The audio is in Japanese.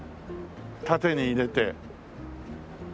縦に入れて。